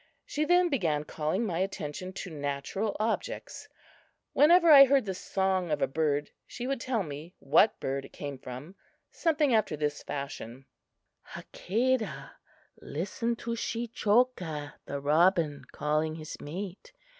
She then began calling my attention to natural objects. Whenever I heard the song of a bird, she would tell me what bird it came from, something after this fashion: "Hakadah, listen to Shechoka (the robin) calling his mate.